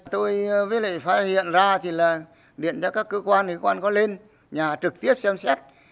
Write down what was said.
tôi với lại phát hiện ra thì là điện cho các cơ quan có lên nhà trực tiếp xem xét